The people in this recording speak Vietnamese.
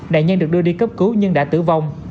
nạn nhân được đưa đi cấp cứu nhưng đã tử vong